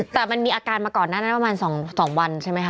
แต่มันมีอาการมาก่อนหน้านั้นประมาณ๒วันใช่ไหมคะ